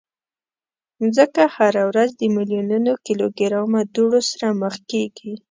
مځکه هره ورځ د میلیونونو کیلوګرامه دوړو سره مخ کېږي.